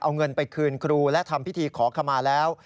เอาเงินไปคืนครูและทำพิธีขอขมาแล้ว